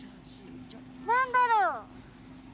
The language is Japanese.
何だろう？